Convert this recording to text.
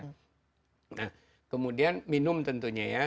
nah kemudian minum tentunya ya